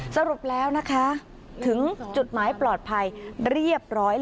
สรุปแล้วนะคะถึงจุดหมายปลอดภัยเรียบร้อย